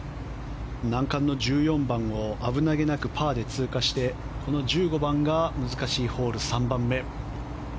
難関の１４番を危なげなくパーで通過してこの１５番が難しいホール３番目。